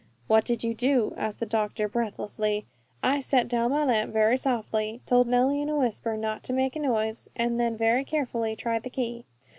"What did you do?" asked the doctor, breathlessly. "I set down my lamp very softly, told Nellie in a whisper not to make a noise, and then very carefully tried the key.